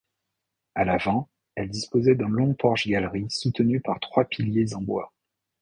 À l'avant, elle disposait d'un long porche-galerie soutenu par trois piliers en bois.